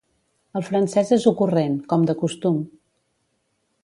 El francès és ocurrent, com de costum.